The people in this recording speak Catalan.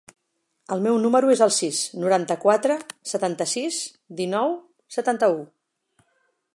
El meu número es el sis, noranta-quatre, setanta-sis, dinou, setanta-u.